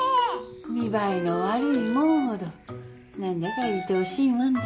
見栄えの悪いもんほど何だかいとおしいもんだ。